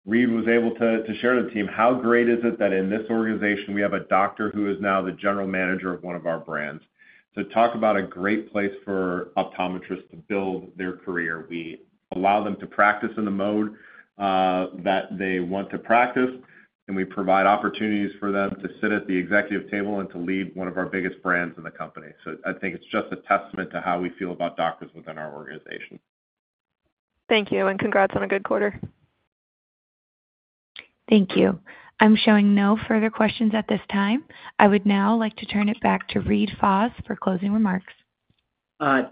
Reade was able to share with the team, "How great is it that in this organization, we have a doctor who is now the general manager of one of our brands?" Talk about a great place for optometrists to build their career. We allow them to practice in the mode that they want to practice. We provide opportunities for them to sit at the executive table and to lead one of our biggest brands in the company. I think it's just a testament to how we feel about doctors within our organization. Thank you. Congrats on a good quarter. Thank you. I'm showing no further questions at this time. I would now like to turn it back to Reade Fahs for closing remarks.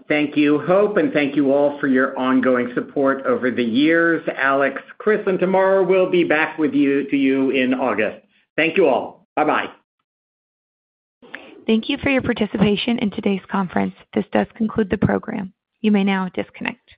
Thank you, Hope. Thank you all for your ongoing support over the years, Alex, Chris, and Tamara. We will be back to you in August. Thank you all. Bye-bye. Thank you for your participation in today's conference. This does conclude the program. You may now disconnect.